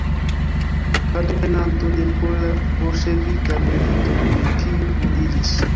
Partoprenanto de pola-bolŝevika milito dum kiu vundiĝis.